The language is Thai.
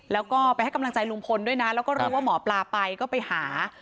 แล้วก็ไปให้กำลังใจลุงพลด้วยนะแล้วก็รู้ว่าหมอปลาไปก็ไปหา